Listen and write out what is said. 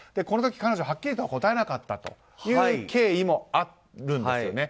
この時、彼女ははっきりと答えなかったという経緯もあるんです。